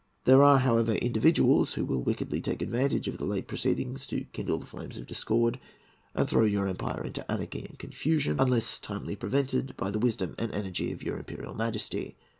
There are, however, individuals who will wickedly take advantage of the late proceedings to kindle the flames of discord, and throw the empire into anarchy and confusion, unless timely prevented by the wisdom and energy of your Imperial Majesty.